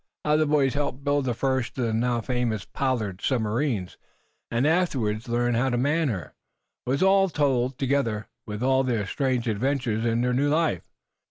How the boys helped build the first of the now famous Pollard submarines, and afterwards learned how to man her, was all told, together with all their strange adventures in their new life.